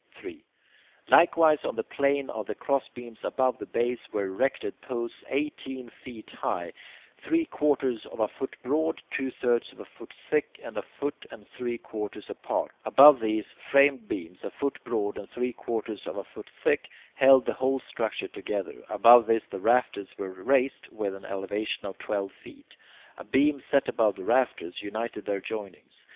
3. Likewise, on the plane of the crossbeams above the base, were erected posts eighteen feet high, three quarters of a foot broad, two thirds of a foot thick, and a foot and three quarters apart; above these, framed beams, a foot broad and three quarters of a foot thick, held the whole structure together; above this the rafters were raised, with an elevation of twelve feet; a beam set above the rafters united their joinings.